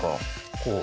こう。